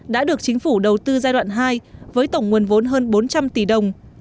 đã được chính phủ đầu tư giai đoạn hai với tổng nguồn vốn hơn bốn trăm linh tỷ đồng